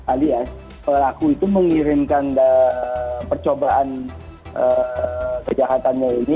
alias pelaku itu mengirimkan percobaan kejahatannya ini